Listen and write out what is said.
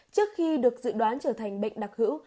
trước khi được dự đoán trở thành bệnh đặc hữu